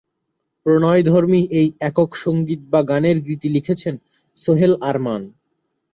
প্রণয়ধর্মী এই একক সঙ্গীত বা গানের গীতি লিখেছেন সোহেল আরমান।